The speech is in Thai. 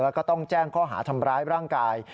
แล้วก็ต้องแจ้งข้อหาทำร้ายร่างกาย